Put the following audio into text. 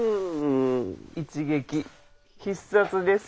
一撃必殺です。